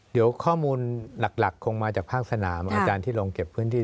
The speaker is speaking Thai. เดี๋ยวข้อมูลหลักคงมาจากภาคสนามอาจารย์ที่ลงเก็บพื้นที่